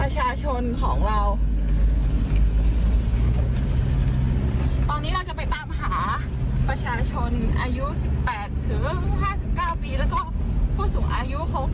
ชาวบ้านไปทำอะไรที่นั่นน่ะคะ